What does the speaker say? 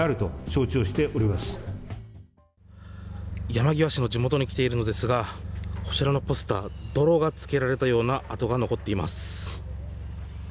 山際氏の地元に来ているのですがこちらのポスター泥がつけられたような跡が残っています。